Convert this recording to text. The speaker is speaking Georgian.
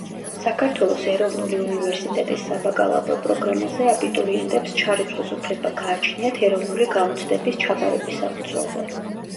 საქართველოს ეროვნული უნივერსიტეტის საბაკალავრო პროგრამაზე აბიტურიენტებს ჩარიცხვის უფლება გააჩნიათ ეროვნული გამოცდების ჩაბარების საფუძველზე.